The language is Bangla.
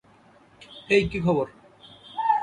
হেই, কি খবর?